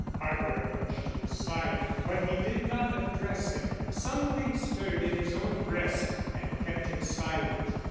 Harper approached to his side, but he did not address him. Something stirred in his own breast and kept him silent.